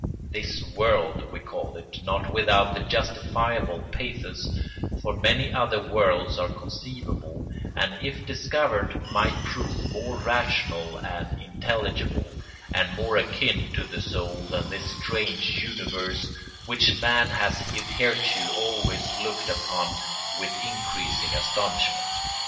"This world" we call it, not without justifiable pathos, for many other worlds are conceivable and if discovered might prove more rational and intelligible and more akin to the soul than this strange universe which man has hitherto always looked upon with increasing astonishment.